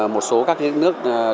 một số các nước